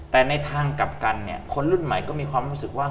แต่ในทางกลับกันเนี่ยคนรุ่นใหม่ก็มีความรู้สึกว่า